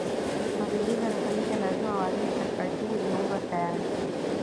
Mapinduzi yanafanyika na lazima wawalinde na taratibu zimeundwa tayari